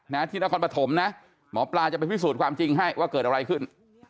นะที่นครปฐมนะหมอปลาจะไปพิสูจน์ความจริงให้ว่าเกิดอะไรขึ้น